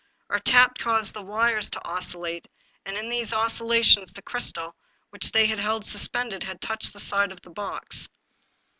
Our taps caused the wires to oscil late, and in these oscillations the crystal, which they held suspended, had touched the side of the box.